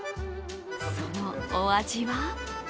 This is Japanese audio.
そのお味は？